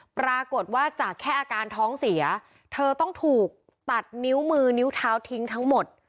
ปรากฏว่าจากแค่อาการท้องเสียเธอต้องถูกตัดนิ้วมือนิ้วเท้าทิ้งทั้งหมด